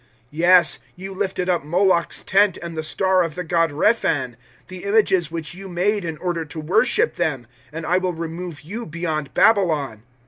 007:043 Yes, you lifted up Moloch's tent and the Star of the God Rephan the images which you made in order to worship them; and I will remove you beyond Babylon.'